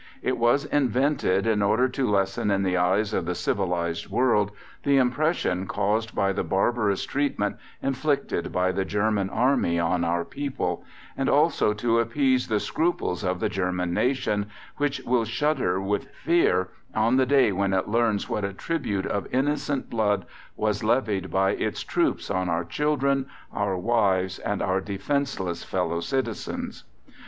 It was invented in order to lessen in the eyes of the civilized world the impression caused by the barbarous treatment inflicted by the German Army on our people, and also to appease the scruples of the German nation, which will shudder with fear on the day when it learns what a tribute of innocent blood was levied by its troops on our children, our wives, and our defenseless fellow citizens.